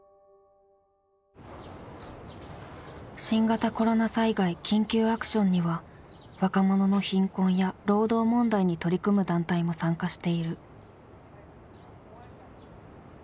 新型コロナ災害緊急アクションには若者の貧困や労働問題に取り組む団体も参加している。